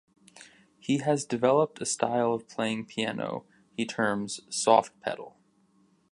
He has developed a style of playing piano he terms "soft pedal".